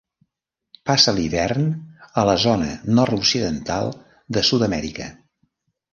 Passa l'hivern a la zona nord-occidental de Sud-amèrica.